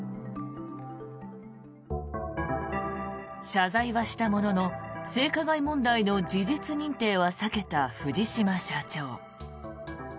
謝罪はしたものの性加害問題の事実認定は避けた藤島社長。